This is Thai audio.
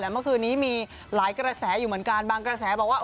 เมื่อคืนนี้มีหลายกระแสอยู่เหมือนกันบางกระแสบอกว่า